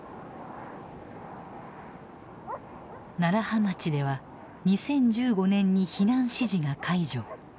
楢葉町では２０１５年に避難指示が解除。